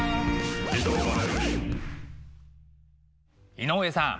井上さん。